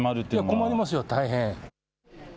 困りますよ、大変。